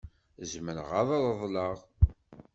Zemreɣ ad t-reḍleɣ?